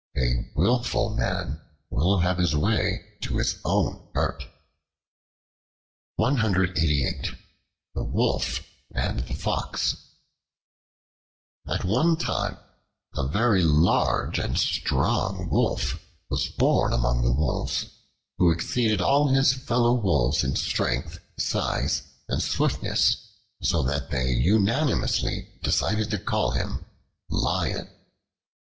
A willful man will have his way to his own hurt. The Wolf and the Fox AT ONE TIME a very large and strong Wolf was born among the wolves, who exceeded all his fellow wolves in strength, size, and swiftness, so that they unanimously decided to call him "Lion."